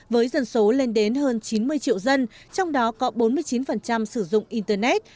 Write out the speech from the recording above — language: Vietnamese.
với dân số lên đến hơn chín mươi triệu dân trong đó có bốn mươi chín sử dụng internet